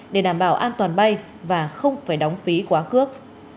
để đảm bảo an toàn bay và không phải đóng phí quá cước